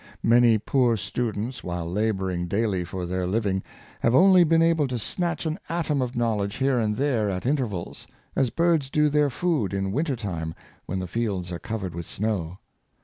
Many poor students, while laboring daily for their living, have only been able to snatch an atom of knowledge here and there at inter vals, as birds do their food in winter time when the fields are covered with snow.